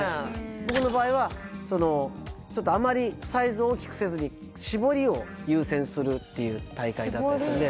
僕の場合はちょっとあまりサイズを大きくせずに絞りを優先するっていう大会なんですね